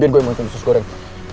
biar gue yang makan usus goreng